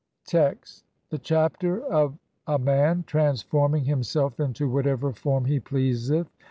Text : (i) The Chapter of a man transforming him self INTO WHATEVER FORM HE PLEASETH.